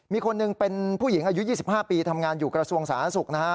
มีคนหนึ่งเป็นผู้หญิงอายุ๒๕ปีทำงานอยู่กระทรวงสาธารณสุขนะฮะ